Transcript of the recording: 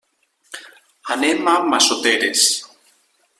Anem a Massoteres.